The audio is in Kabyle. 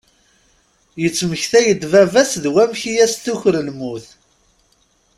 Yettmektay-d baba-s d wamk i as-tuker lmut.